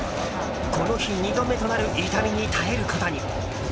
この日、２度目となる痛みに耐えることに。